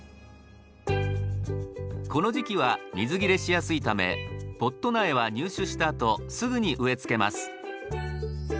この時期は水切れしやすいためポット苗は入手したあとすぐに植えつけます。